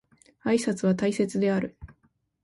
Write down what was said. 挨拶は大切である